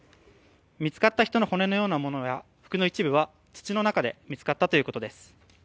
見つかった人の骨のようなものや服の一部は土の中で見つかったということです。